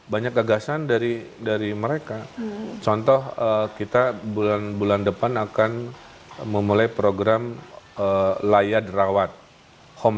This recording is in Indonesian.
banyak gagasan dari dari mereka contoh kita bulan bulan depan akan memulai program layak rawat home